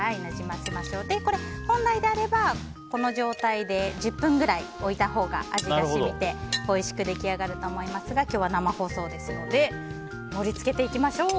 本来であればこの状態で１０分ぐらい置いたほうが味が染みておいしく出来上がると思いますが今日は生放送ですので盛り付けていきましょう。